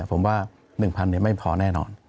ผมว่า๑๐๐ไม่พอแน่นอน